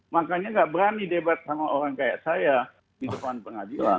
makanya tidak berani debat sama orang seperti saya di depan pengajilan